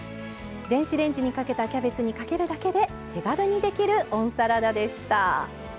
電子レンジにかけたキャベツにかけるだけで手軽にできる温サラダでした。